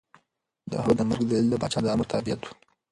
د هغه د مرګ دلیل د پاچا د امر تابعیت و.